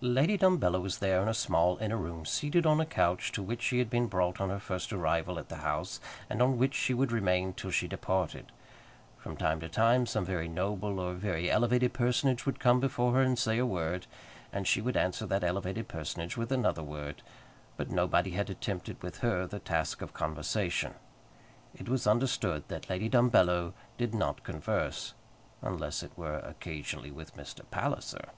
Lady Dumbello was there in a small inner room, seated on a couch to which she had been brought on her first arrival at the house, and on which she would remain till she departed. From time to time some very noble or very elevated personage would come before her and say a word, and she would answer that elevated personage with another word; but nobody had attempted with her the task of conversation. It was understood that Lady Dumbello did not converse, unless it were occasionally with Mr. Palliser.